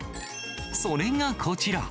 それがこちら。